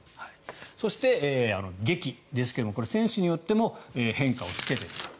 そして、檄ですがこれは選手によっても変化をつけている。